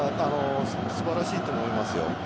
素晴らしいと思います。